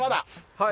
はい。